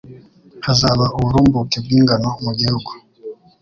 Hazaba uburumbuke bw’ingano mu gihugu